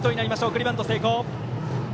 送りバント成功。